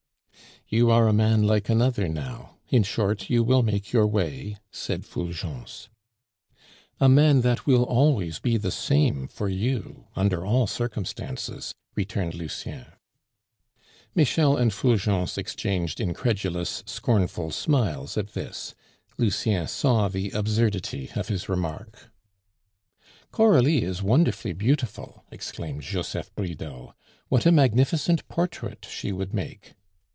"You are a man like another now; in short, you will make your way," said Fulgence. "A man that will always be the same for you, under all circumstances," returned Lucien. Michel and Fulgence exchanged incredulous scornful smiles at this. Lucien saw the absurdity of his remark. "Coralie is wonderfully beautiful," exclaimed Joseph Bridau. "What a magnificent portrait she would make!"